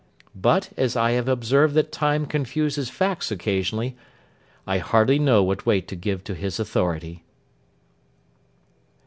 But, as I have observed that Time confuses facts occasionally, I hardly know what weight to give to his authority.